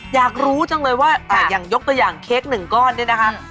อยากรู้จังเลยว่าอย่างยกตัวอย่างเค้กหนึ่งก้อนเนี่ยนะคะ